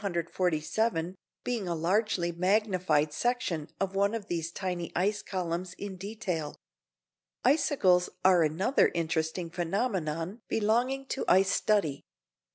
147 being a largely magnified section of one of these tiny columns in detail. Icicles are another interesting phenomenon belonging to ice study.